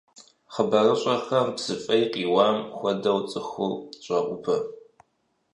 Хъыбарыщӏэхэм псы фӏей къиуам хуэдэу цӏыхур щӏаӏубэ.